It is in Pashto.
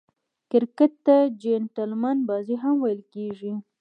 کرکټ ته "جېنټلمن بازي" هم ویل کیږي.